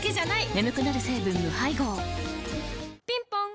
眠くなる成分無配合ぴんぽん